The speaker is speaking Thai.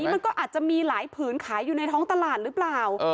มันก็อาจจะมีหลายผืนขายอยู่ในท้องตลาดหรือเปล่า